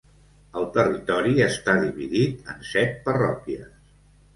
El territori està dividit en set parròquies.